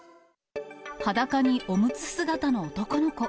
裸におむつ姿の男の子。